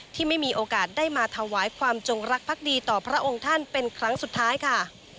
ที่ไม่มีโอกาสได้มาถวายความจงรักภักดีต่อพระองค์ท่านเป็นครั้งสุดท้ายค่ะ